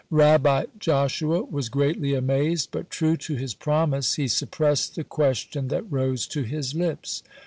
Rabbi Joshua was greatly amazed, but true to his promise he suppressed the question that rose to his lips.